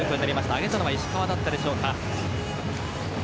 上げたのは石川だったでしょうか。